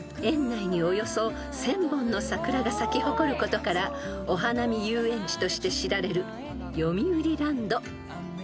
［園内におよそ１，０００本の桜が咲き誇ることからお花見遊園地として知られるよみうりランド］